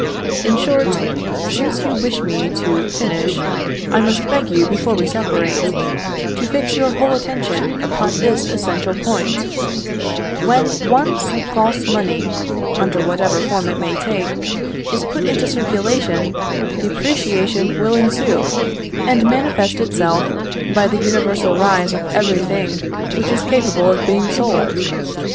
In short, since you wish me to finish, I must beg you, before we separate, to fix your whole attention upon this essential point: When once false money (under whatever form it may take) is put into circulation, depreciation will ensue, and manifest itself by the universal rise of every thing which is capable of being sold.